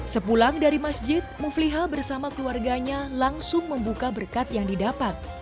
sepulang dari masjid mufliha bersama keluarganya langsung membuka berkat yang didapat